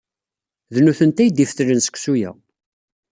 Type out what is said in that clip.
D nutenti ay d-ifetlen seksu-a.